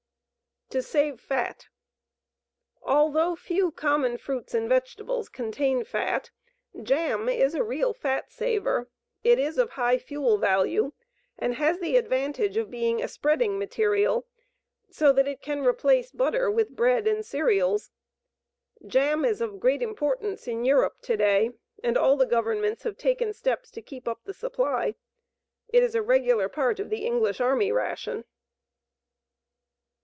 To Save Fat, Although few common fruits and vegetables contain fat, jam is a real fat saver. It is of high fuel value, and has the advantage of being a "spreading material" so that it can replace butter with bread and cereals. Jam is of great importance in Europe to day and all the Governments have taken steps to keep up the supply. It is a regular part of the English army ration.